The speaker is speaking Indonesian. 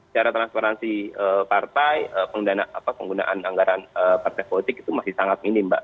cara transparansi partai penggunaan anggaran partai politik itu masih sangat minim mbak